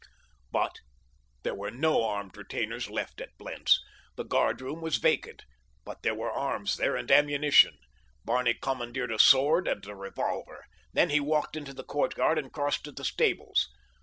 But there were no armed retainers left at Blentz. The guardroom was vacant; but there were arms there and ammunition. Barney commandeered a sword and a revolver, then he walked into the courtyard and crossed to the stables.